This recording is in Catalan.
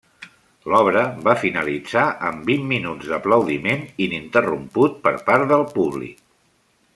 L'obra va finalitzar amb vint minuts d'aplaudiment ininterromput per part del públic.